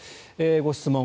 ご質問。